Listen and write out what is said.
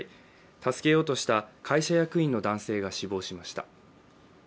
助けようとした会社役員の男性が死亡しました。